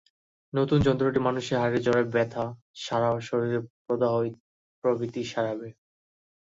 নতুন যন্ত্রটি মানুষের হাড়ের জোড়ায় ব্যথা, সারা শরীরে প্রদাহ প্রভৃতি সারাবে।